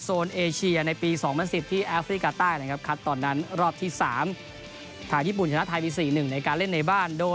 โซนเอเชียในปี๒๐๑๐ที่แอฟริกาใต้นะครับ